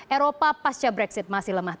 eropa pasca brexit masih lemah